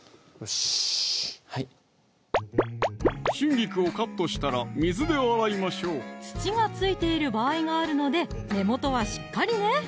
しっはい春菊をカットしたら水で洗いましょう土が付いている場合があるので根元はしっかりね